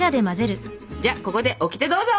じゃあここでオキテどうぞ！